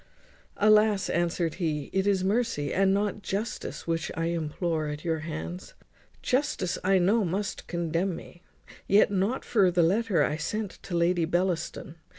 "Alas! madam," answered he, "it is mercy, and not justice, which I implore at your hands. Justice I know must condemn me. Yet not for the letter I sent to Lady Bellaston.